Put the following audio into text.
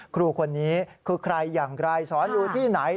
ครูคนนี้คือใครอย่างไรสอนอยู่ที่ไหน